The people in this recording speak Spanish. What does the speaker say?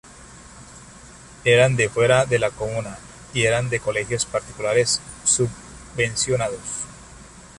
Eran de fuera de la comuna, y eran de colegios particulares subvencionados.